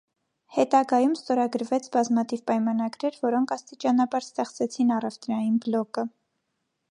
Հետագայում ստորագրվեց բազմաթիվ պայմանագրեր, որոնք աստիճանաբար ստեղծեցին առևտրային բլոկը։